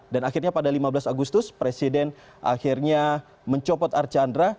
dan akhirnya pada lima belas agustus presiden akhirnya mencopot archandra